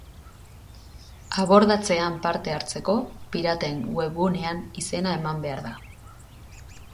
Abordatzean parte hartzeko, piraten webgunean izena eman behar da.